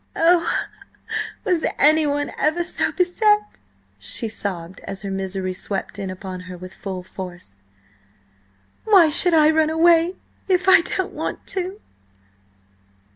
"Oh, was anyone ever so beset!" she sobbed as her misery swept in upon her with full force. "Why should I run away if I don't want to?"